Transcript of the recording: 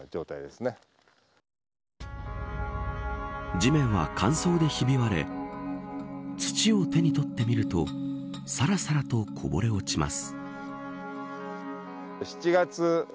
地面は乾燥でひび割れ土を手に取ってみるとさらさらとこぼれ落ちます。